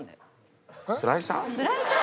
スライサー？